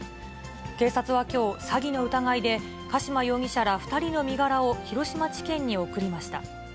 警察はきょう、詐欺の疑いで加島容疑者ら２人の身柄を広島地検に送りました。